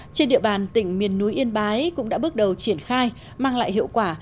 trên địa bàn tỉnh miền núi yên bái cũng đã bước đầu triển khai mang lại hiệu quả